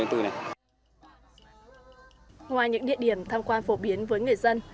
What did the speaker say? ngoài những địa điểm tham quan phổ biến với người dân